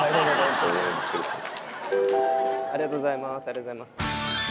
ありがとうございます。